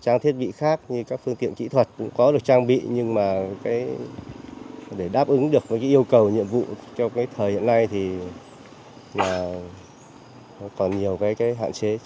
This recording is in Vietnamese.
trang thiết bị khác như các phương tiện kỹ thuật cũng có được trang bị nhưng mà để đáp ứng được yêu cầu nhiệm vụ trong thời hiện nay thì còn nhiều hạn chế